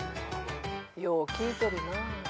よう聞いとるなぁ。